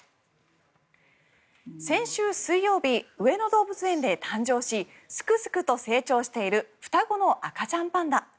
先週水曜日、上野動物園で誕生しスクスクと成長している双子の赤ちゃんパンダ。